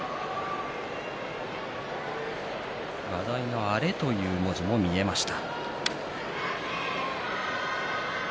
話題のアレという文字も見えました。